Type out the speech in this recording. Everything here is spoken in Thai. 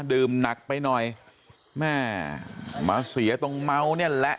ดื่มหนักไปหน่อยแม่มาเสียตรงเมาเนี่ยแหละ